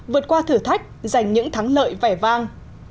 vượt qua thử thách giành những thắng lợi vẻ vang